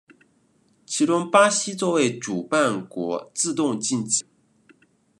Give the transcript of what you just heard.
其中巴西作为主办国自动晋级。